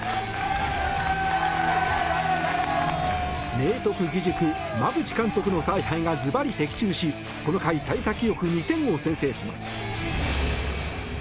明徳義塾、馬淵監督の采配がズバリ的中し今回、幸先よく２点を先制します。